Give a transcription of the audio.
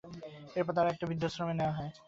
এর পর তাঁকে একটি বৃদ্ধাশ্রমে নেওয়া হয়।